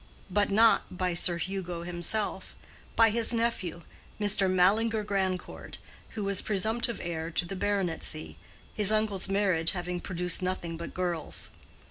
But not by Sir Hugo himself: by his nephew, Mr. Mallinger Grandcourt, who was presumptive heir to the baronetcy, his uncle's marriage having produced nothing but girls.